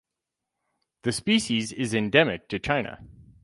The species is endemic to China.